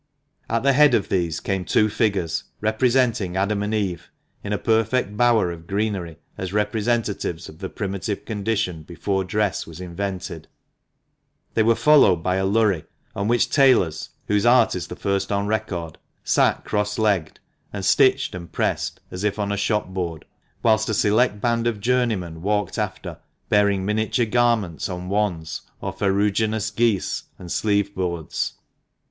At the head of these came two figures, representing Adam and Eve, in a perfect bower of greenery, as representatives of the primitive condition before dress was invented. They were followed THE MANCHESTER MAN. 297 by a lurry, on which tailors (whose art is the first on record) sat cross legged, and stitched and pressed, as if on a shopboard, whilst a select band of journeymen walked after, bearing minature garments on wands, or ferruginous geese and sleeveboards.